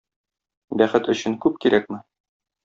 Бәхет өчен күп кирәкме?